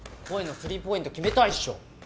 恋のスリーポイント決めたいっしょ。